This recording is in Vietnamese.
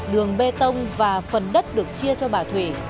đường bê tông và phần đất được chia cho bà thủy